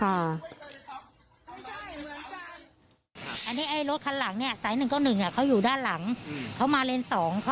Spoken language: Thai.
อันนี้รถรถขันหลังตาย๑ก็๑อยู่ด้านหลัง